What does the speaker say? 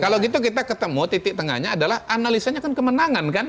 kalau gitu kita ketemu titik tengahnya adalah analisanya kan kemenangan kan